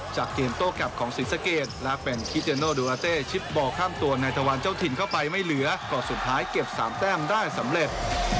เกมโต้กลับของศรีสะเกดและเป็นคิเจโนดูราเต้ชิปบอลข้ามตัวนายตะวันเจ้าถิ่นเข้าไปไม่เหลือก่อนสุดท้ายเก็บ๓แต้มได้สำเร็จ